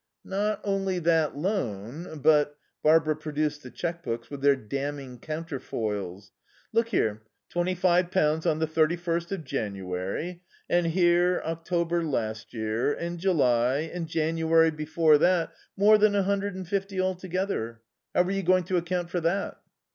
"Not only that loan, but " Barbara produced the cheque books with their damning counterfoils. "Look here twenty five pounds on the thirty first of January. And here October last year, and July, and January before that More than a hundred and fifty altogether. How are you going to account for that?